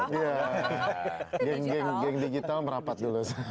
geng geng digital merapat dulu